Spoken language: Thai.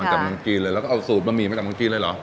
จากเมืองจีนเลยแล้วก็เอาสูตรบะหมี่มาจากเมืองจีนเลยเหรอ